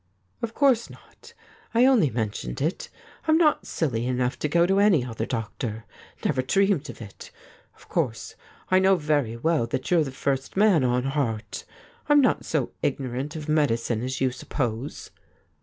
' Of course not. I only men tioned it. I'm not silly enough to go to any other doctor — never dreamed of it. Of course^ I know very well that you're the first man on heart. I'm not so ignorant of medicine as you suppose.'